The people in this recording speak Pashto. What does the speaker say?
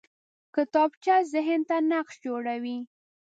کتابچه ذهن ته نقش جوړوي